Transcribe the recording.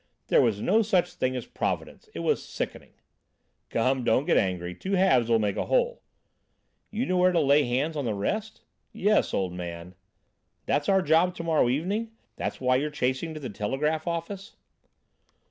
There was no such thing as Providence! It was sickening." "Come, don't get angry, two halves will make a whole." "You know where to lay hands on the rest?" "Yes, old man." "That's our job to morrow evening? That's why you're chasing to the telegraph office?"